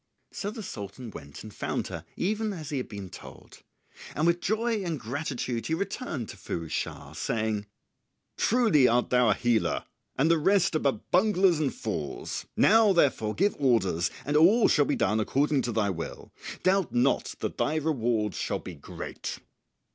So the Sultan went and found her even as he had been told; and with joy and gratitude he returned to Firouz Schah, saying, "Truly thou art a healer and the rest are but bunglers and fools. Now, therefore, give orders and all shall be done according to thy will. Doubt not that thy reward shall be great."